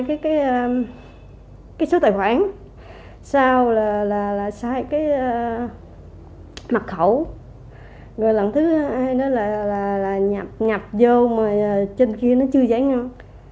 cái số tài khoản sau là sai cái mặt khẩu rồi lần thứ hai là nhập vô mà trên kia nó chưa giải ngân